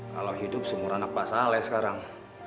kalau hidup seumur anak pak saleh sekarang